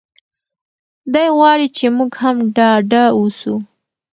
دی غواړي چې موږ هم ډاډه اوسو.